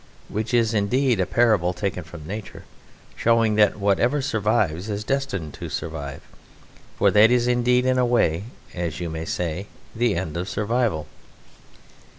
Which is, indeed, a parable taken from nature, showing that whatever survives is destined to survive, for that is indeed in a way, as you may say, the end of survival."